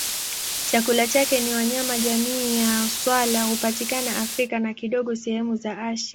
Chakula chake ni wanyama jamii ya swala hupatikana Afrika na kidogo sehemu za Asia.